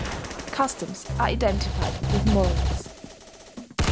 Customs are identified with morals.